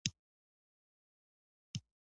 او د هیواد او خلکو د ساتنې په روحیه وروزل شي